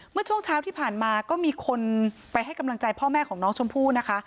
เมื่อช่วงเช้าที่ผ่านมาก็มีคนไปให้กำลังใจพ่อแม่ของน้องชมพู่นะคะ